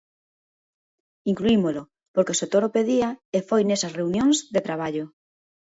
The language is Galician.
Incluímolo, porque o sector o pedía, e foi nesas reunións de traballo.